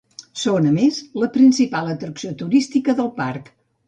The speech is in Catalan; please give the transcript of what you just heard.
Són, a més, la principal atracció turística del parc.